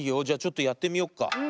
じゃちょっとやってみよっか。